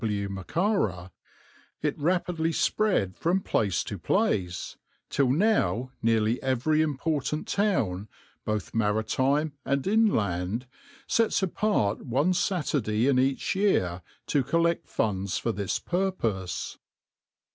W. Macara, it rapidly spread from place to place, till now nearly every important town, both maritime and inland, sets apart one Saturday in each year to collect funds for this purpose.